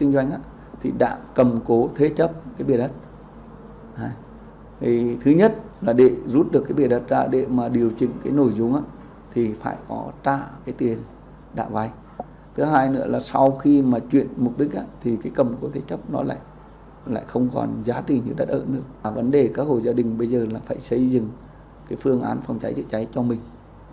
vấn đề các hồ gia đình bây giờ là phải xây dựng phương án phòng cháy chữa cháy cho mình